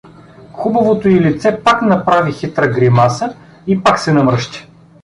Хубавото й лице пак направи хитра гримаса и пак се намръщи.